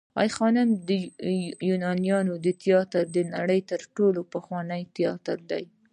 د آی خانم د یوناني تیاتر د نړۍ تر ټولو پخوانی تیاتر دی